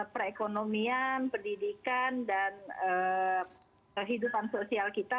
perekonomian pendidikan dan kehidupan sosial kita